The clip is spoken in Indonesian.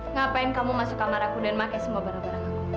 ngapain kamu masuk kamar aku dan pakai semua barangku